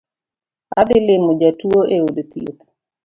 Adhi limo jatuo e od thieth